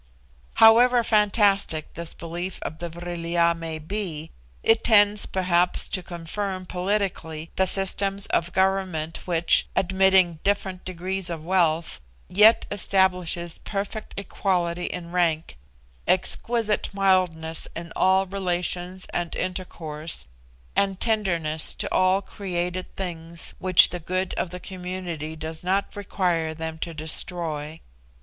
However fantastic this belief of the Vril ya may be, it tends perhaps to confirm politically the systems of government which, admitting different degrees of wealth, yet establishes perfect equality in rank, exquisite mildness in all relations and intercourse, and tenderness to all created things which the good of the community does not require them to destroy.